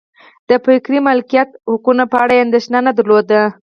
د فکري مالکیت حقونو په اړه یې اندېښنه نه درلوده.